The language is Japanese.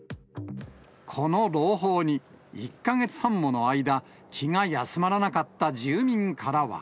この朗報に、１か月半もの間、気が休まらなかった住民からは。